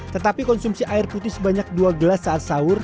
tetapi konsumsi air putih sebanyak dua gelas saat sahur